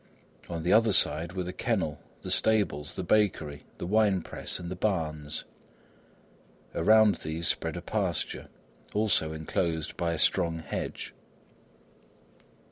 On the other side were the kennel, the stables, the bakery, the wine press and the barns. Around these spread a pasture, also enclosed by a strong hedge.